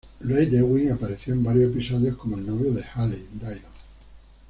Reid Ewing apareció en varios episodios como el novio de Haley, Dylan.